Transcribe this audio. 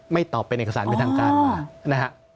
ไม่ตอบเป็นเอกสารเป็นทางการมา